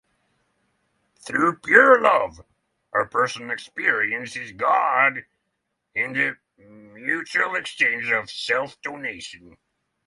Through pure love, a person experiences God in the "mutual exchange of self-donation".